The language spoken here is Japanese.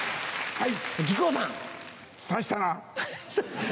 はい。